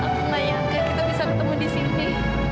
kita bisa bertemu disini